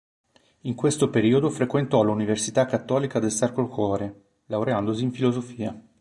In questo periodo frequentò l'Università Cattolica del Sacro Cuore, laureandosi in filosofia.